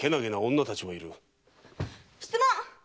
質問！